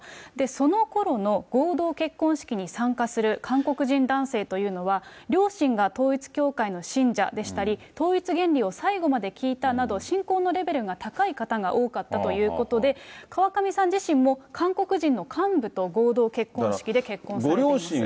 そのころの合同結婚式に参加する韓国人男性というのは、両親が統一教会の信者でしたり、統一原理を最後まで聞いたなど、信仰のレベルが高い方が多かったということで、川上さん自身も韓国人の幹部と合同結婚式で結婚されています。